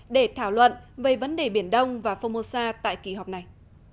để thảo luận về vấn đề biển đông và phongmosa tại kỳ họp này